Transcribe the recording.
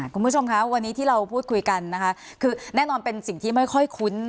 คุณผู้ชมคะวันนี้ที่เราพูดคุยกันนะคะคือแน่นอนเป็นสิ่งที่ไม่ค่อยคุ้น